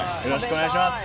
お願いします！